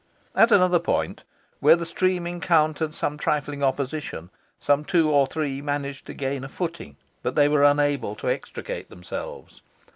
At another point where the stream encountered some trifling opposition, some two or three managed to gain a footing, but they were unable to extricate themselves.